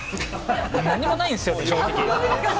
何もないですよ。